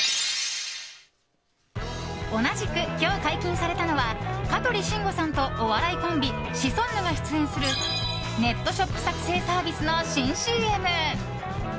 同じく、今日解禁されたのは香取慎吾さんと、お笑いコンビシソンヌが出演するネットショップ作成サービスの新ＣＭ。